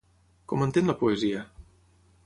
Com entén la poesia?